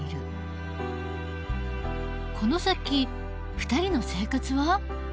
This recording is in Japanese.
この先２人の生活は？